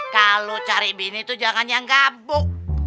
kalau cari bini itu jangan yang gabuk